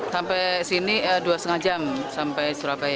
sampai sini dua lima jam sampai surabaya